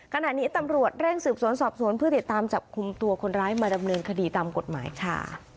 ขณะนี้ตำรวจเร่งสืบสวนสอบสวนเพื่อติดตามจับกลุ่มตัวคนร้ายมาดำเนินคดีตามกฎหมายค่ะ